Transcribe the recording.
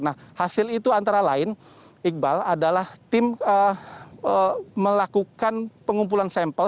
nah hasil itu antara lain iqbal adalah tim melakukan pengumpulan sampel